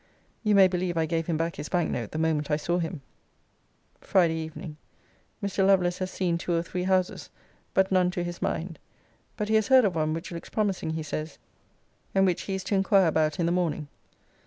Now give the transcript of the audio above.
You may believe I gave him back his bank note the moment I saw him. FRIDAY EVENING. Mr. Lovelace has seen two or three houses, but none to his mind. But he has heard of one which looks promising, he says, and which he is to inquire about in the morning.